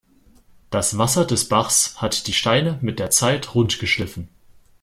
Das Wasser des Bachs hat die Steine mit der Zeit rund geschliffen.